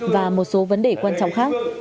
và một số vấn đề quan trọng khác